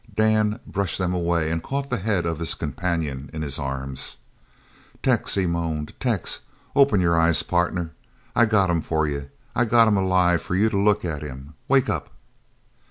Dan brushed them away and caught the head of his companion in his arms. "Tex!" he moaned, "Tex! Open your eyes, partner, I got him for you. I got him alive for you to look at him! Wake up!"